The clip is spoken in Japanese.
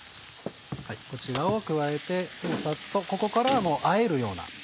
こちらを加えてサッとここからはあえるような。